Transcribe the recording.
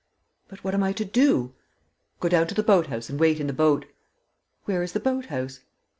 "But what am I to do?" "Go down to the boathouse and wait in the boat." "Where is the boathouse?"